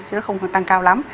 chứ nó không có tăng cao lắm